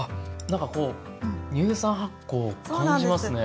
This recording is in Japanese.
なんかこう乳酸発酵を感じますね。